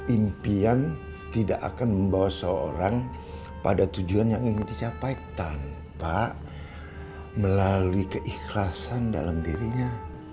impian tidak akan membawa seorang pada tujuan yang ingin dicapai tanpa melalui keikhlasan dalam dirinya